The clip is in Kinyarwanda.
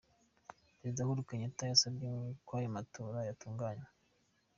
Prezida Uhuru Kenyatta yasavye kw'ayo matora yotunganywa.